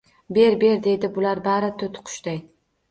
«Ber-ber!» deydi bular bari toʼtiqushday